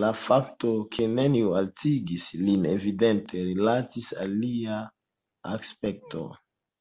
La fakto, ke neniu haltigis lin, evidente rilatis al lia aspekto.